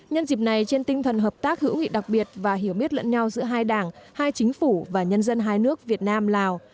nhân dịp này trên tinh thần hợp tác hữu nghị đặc biệt và hiểu biết lẫn nhau giữa hai đảng hai chính phủ và nhân dân hai nước việt nam lào